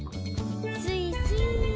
スイスイ。